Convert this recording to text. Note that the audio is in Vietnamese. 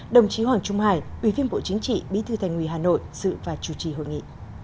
đồng chí hoàng trung hải ubnd bí thư thành ủy hà nội dự và chủ trì hội nghị